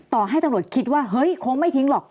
ต่อให้ตำรวจคิดว่าเฮ้ยคงไม่ทิ้งหรอก